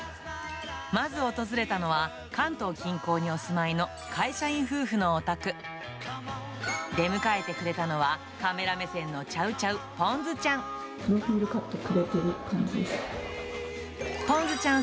まず訪れたのは、関東近郊にお住いの会社員夫婦のお宅。出迎えてくれたのは、カメラ目線のチャウチャウ、ぽんずちゃん。